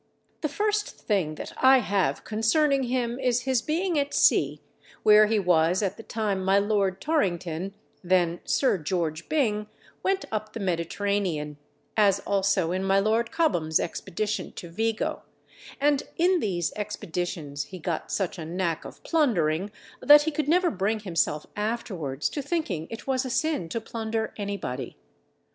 The first thing that I with concerning him is his being at sea, where he was at the time my Lord Torrington, then Sir George Byng, went up the Mediterranean, as also in my Lord Cobham's expedition to Vigo; and in these expeditions he got such a knack of plundering that he could never bring himself afterwards to thinking it was a sin to plunder anybody.